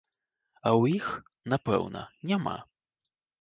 А ў іх, напэўна, няма.